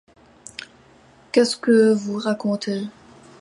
Qu’est-ce que vous racontez ?